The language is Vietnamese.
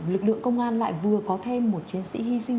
lực lượng công an lại vừa có thêm một chiến sĩ hy sinh